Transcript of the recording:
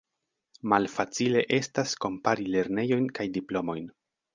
Malfacile estas kompari lernejojn kaj diplomojn.